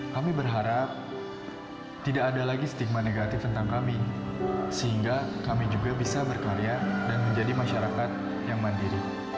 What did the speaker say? kami berharap tidak ada lagi stigma negatif tentang kami sehingga kami juga bisa berkarya dan menjadi masyarakat yang mandiri